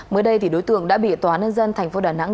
mới đây đối tượng đã bị tòa nhân dân thành phố đà nẵng